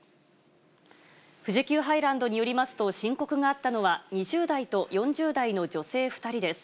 富士急ハイランドによりますと、申告があったのは、２０代と４０代の女性２人です。